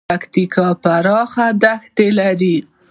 پکتیکا پراخه دښتې لري